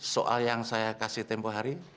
soal yang saya kasih tempoh hari